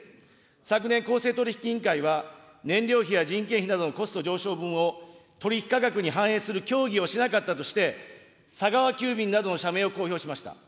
昨年、公正取引委員会は、燃料費や人件費などのコスト上昇分を取り引き価格に反映する協議をしなかったとして、佐川急便などを社名を公表しました。